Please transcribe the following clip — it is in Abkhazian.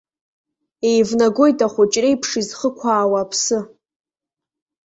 Еивнагоит ахәыҷреиԥш изхықәаауа аԥсы.